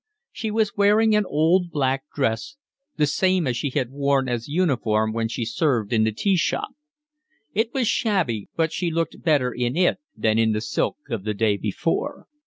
She was wearing an old black dress, the same as she had worn as uniform when she served in the tea shop; it was shabby, but she looked better in it than in the silk of the day before.